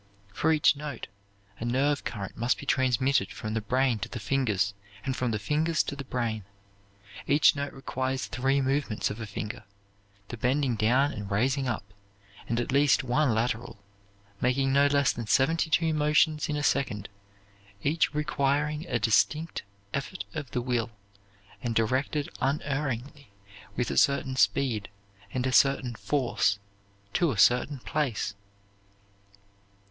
For each note a nerve current must be transmitted from the brain to the fingers, and from the fingers to the brain. Each note requires three movements of a finger, the bending down and raising up, and at least one lateral, making no less than seventy two motions in a second, each requiring a distinct effort of the will, and directed unerringly with a certain speed, and a certain force, to a certain place.